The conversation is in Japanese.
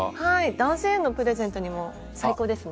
男性へのプレゼントにも最高ですね。